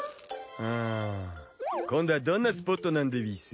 ん今度はどんなスポットなんでうぃす？